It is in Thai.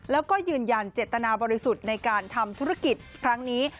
แล้วก็ยืนยันเจตนาบริสุทธิ์ในการทำธุรกิจครั้งนี้